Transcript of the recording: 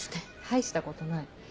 大したことない。